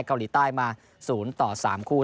เกาหลีใต้มา๐ต่อ๓คู่